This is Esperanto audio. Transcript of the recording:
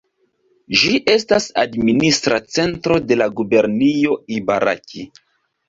Ĝi estas administra centro de la gubernio Ibaraki.